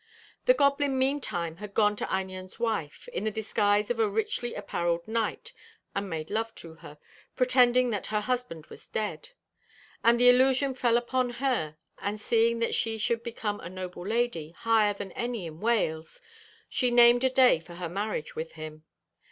The goblin meantime had gone to Einion's wife, in the disguise of a richly apparelled knight, and made love to her, pretending that her husband was dead. 'And the illusion fell upon her; and seeing that she should become a noble lady, higher than any in Wales, she named a day for her marriage with him.